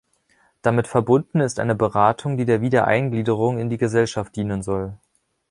Damit verbunden ist eine Beratung, die der Wiedereingliederung in die Gesellschaft dienen soll.